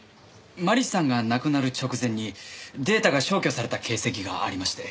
麻里さんが亡くなる直前にデータが消去された形跡がありまして。